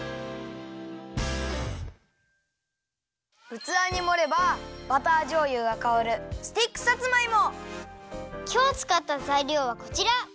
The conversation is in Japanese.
うつわにもればバターじょうゆがかおるきょうつかったざいりょうはこちら！